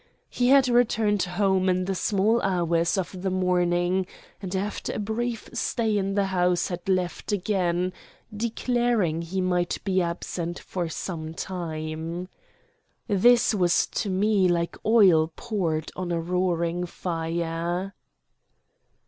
He had returned home in the small hours of the morning, and after a brief stay in the house had left again, declaring he might be absent for some time. This was to me like oil poured on to a roaring fire.